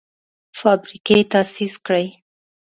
فابریکې تاسیس کړي.